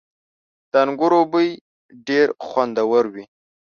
• د انګورو بوی ډېر خوندور وي.